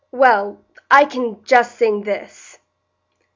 Well, I can just sing this."